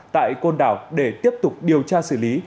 tại côn đảo để tiếp tục điều tra xử lý